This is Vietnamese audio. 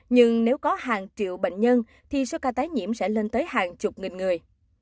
nhưng nếu có hàng triệu bệnh nhân thì số ca tái nhiễm sẽ lên tới hàng chục nghìn người